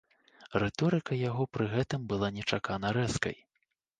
Рыторыка яго пры гэтым была нечакана рэзкай.